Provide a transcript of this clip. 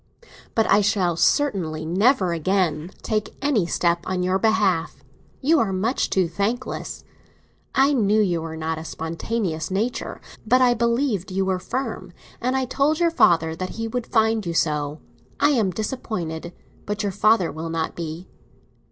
But I shall certainly never again take any step on your behalf; you are much too thankless. I knew you were not a spontaneous nature, but I believed you were firm, and I told your father that he would find you so. I am disappointed—but your father will not be!"